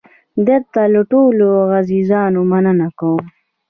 دلته له ټولو عزیزانو مننه کوم.